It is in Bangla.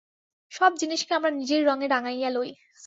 সব জিনিষকে আমরা নিজের রঙে রাঙাইয়া লই।